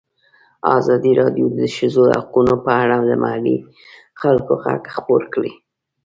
ازادي راډیو د د ښځو حقونه په اړه د محلي خلکو غږ خپور کړی.